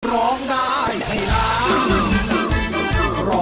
ร้องได้ให้ล้าน